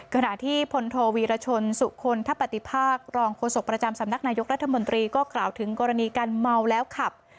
ขณะที่พลโทวีรชนสุคลทะปฏิภาครองโฆษกประจำสำนักนายกรัฐมนตรีก็กล่าวถึงกรณีการเมาแล้วขับ